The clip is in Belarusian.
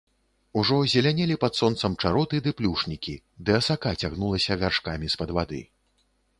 Ужо зелянелі пад сонцам чароты ды плюшнікі, ды асака цягнулася вяршкамі з-пад вады.